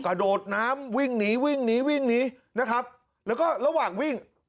กระโดดน้ำวิ่งหนีวิ่งหนีและขอระหว่างวิ่ง